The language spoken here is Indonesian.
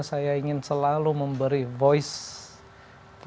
saya ingin selalu memberi voice